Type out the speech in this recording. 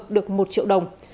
được một triệu đồng